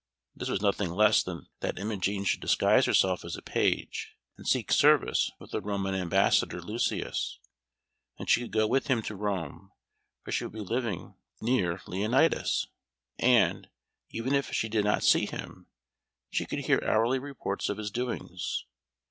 This was nothing less than that Imogen should disguise herself as a page, and seek service with the Roman Ambassador, Lucius; then she could go with him to Rome, where she would be living near Leonatus, and, even if she did not see him, she could hear hourly reports of his doings.